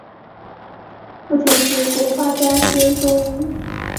父亲是国画家兼中医。